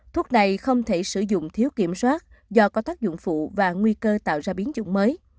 thuốc này không thể sử dụng thiếu kiểm soát do có tác dụng phụ và nguy cơ tạo ra biến chủng mới